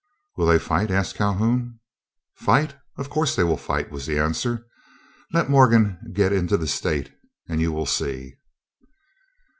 "Will they fight?" asked Calhoun. "Fight? Of course they will fight," was the answer. "Let Morgan get into the state, and you will see."